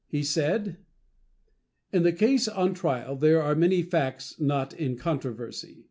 He said: In the case on trial there are many facts not in controversy.